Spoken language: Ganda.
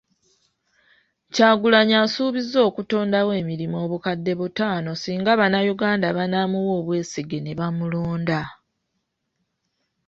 Kyagulanyi asuubizza okutondawo emirimu obukadde butaano singa bannayuganda banaamuwa obwesige ne bamulonda.